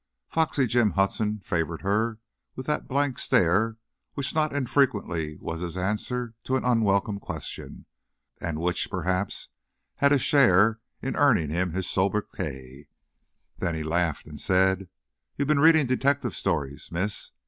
Foxy Jim Hudson favored her with that blank stare which not infrequently was his answer to an unwelcome question, and which, perhaps, had a share in earning him his sobriquet. Then he laughed, and said, "You've been reading detective stories, miss.